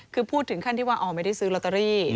คือพูดถึงขั้นที่ว่าอ๋อไม่ได้ซื้อลอตเตอรี่